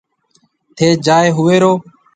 ٿَي جائي هوئيرو۔